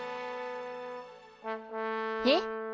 えっ？